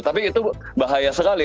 tapi itu bahaya sekali